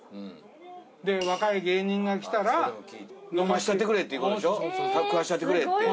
で若い芸人が来たら。飲ましたってくれっていう事でしょ？食わしたってくれって。